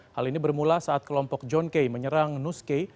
hal ini bermula saat kelompok john kay menyerang nus kay